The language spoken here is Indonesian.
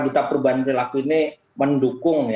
duta perubahan perilaku ini mendukung